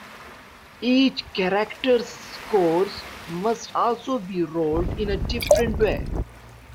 Each character's scores must also be rolled in a different way.